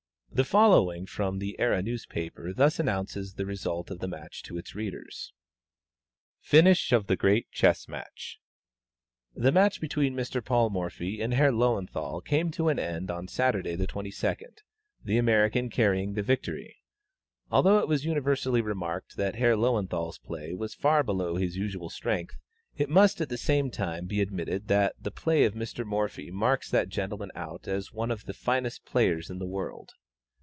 The following extract from The Era newspaper thus announces the result of the match to its readers: FINISH OF THE GREAT CHESS MATCH. The match between Mr. Paul Morphy and Herr Löwenthal came to an end on Saturday the 22d, the American carrying the victory. Although it was universally remarked that Herr Löwenthal's play was far below his usual strength, it must at the same time be admitted that the play of Mr. Morphy marks that gentleman out as one of the finest players in the world.